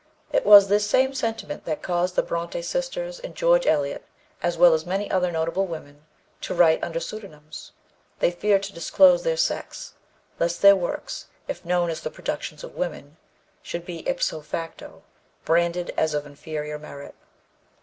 It was this same sentiment that caused the Brontë sisters and George Eliot, as well as many other notable women, to write under pseudonyms. They feared to disclose their sex lest their works, if known as the productions of women, should be ipso facto branded as of inferior merit.